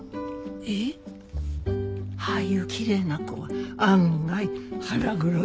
えっ？ああいうきれいな子は案外腹黒いから。